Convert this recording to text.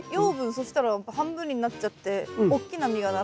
そしたら半分になっちゃって大きな実がならない。